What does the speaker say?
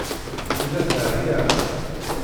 Tella teɛya.